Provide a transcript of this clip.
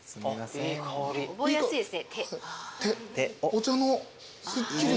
お茶のすっきり。